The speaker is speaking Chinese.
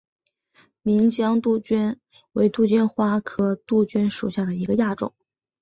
岷江杜鹃为杜鹃花科杜鹃属下的一个亚种。